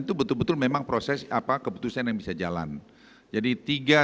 itu betul betul memang proses apa keputusan yang bisa jalan jadi tiga